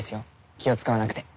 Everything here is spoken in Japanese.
気を遣わなくて。